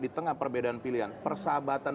di tengah perbedaan pilihan persahabatan